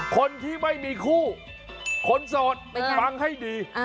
คนที่ไม่มีคู่คนโสดฟังให้ดี